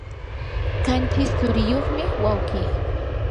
qanchis tsuriyuqmi wawqi.